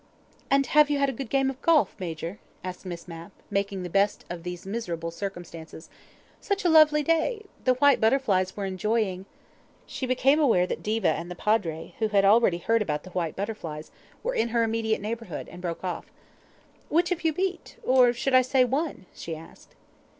... "And have you had a good game of golf, Major?" asked Miss Mapp, making the best of these miserable circumstances. "Such a lovely day! The white butterflies were enjoying " She became aware that Diva and the Padre, who had already heard about the white butterflies, were in her immediate neighbourhood, and broke off. "Which of you beat? Or should I say 'won'?" she asked.